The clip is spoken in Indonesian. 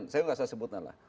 saya tidak sebutnya